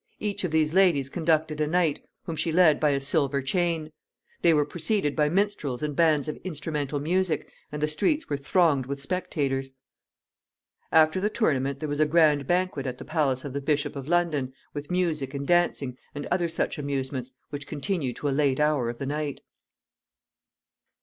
Each of these ladies conducted a knight, whom she led by a silver chain. They were preceded by minstrels and bands of instrumental music, and the streets were thronged with spectators. After the tournament there was a grand banquet at the palace of the Bishop of London, with music and dancing, and other such amusements, which continued to a late hour of the night.